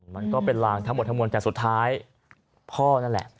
มันก็เป็นลางทั้งหมดทั้งมวลแต่สุดท้ายพ่อนั่นแหละ